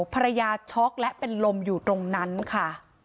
ช็อกและเป็นลมอยู่ตรงนั้นค่ะ